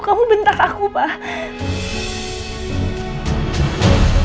kamu bentak aku pak